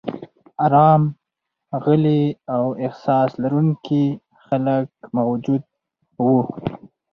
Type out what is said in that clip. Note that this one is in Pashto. ارام، غلي او احساس لرونکي خلک موجود و.